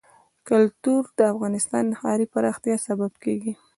کلتور د افغانستان د ښاري پراختیا سبب کېږي.